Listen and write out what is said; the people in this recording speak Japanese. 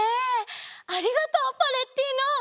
ありがとうパレッティーノ。